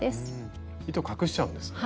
糸隠しちゃうんですね。